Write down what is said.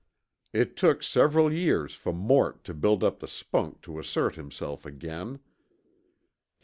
It took several years for Mort to build up the spunk to assert himself again.